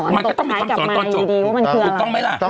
มันก็ต้องมีคำสอนตอนจบ